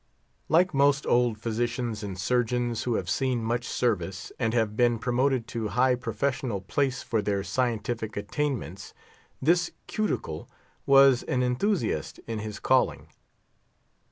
Like most old physicians and surgeons who have seen much service, and have been promoted to high professional place for their scientific attainments, this Cuticle was an enthusiast in his calling.